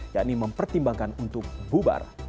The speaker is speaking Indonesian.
yakni mempertimbangkan untuk bubar